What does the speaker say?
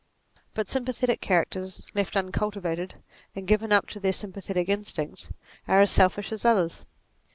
But sympathetic characters, left uncultivated, and given up to their sympathetic instincts, are as selfish as others.